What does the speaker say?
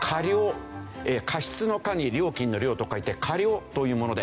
過失の「過」に料金の「料」と書いて「過料」というもので。